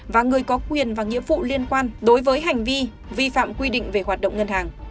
và người có quyền và nghĩa vụ liên quan đối với hành vi vi phạm quy định về hoạt động ngân hàng